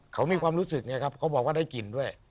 เขามีความรู้สึกไงครับเขาบอกว่าได้กลิ่นด้วย